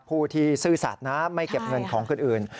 ผู้ที่ซื่อสัตว์นะไม่เก็บเงินของคนอื่น